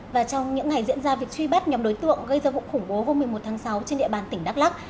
và trong những ngày diễn ra việc truy bắt nhóm đối tượng gây ra vụ khủng bố hôm một mươi một tháng sáu trên địa bàn tỉnh đắk lắc